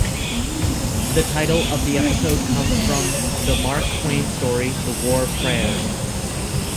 The title of the episode comes from the Mark Twain story "The War Prayer".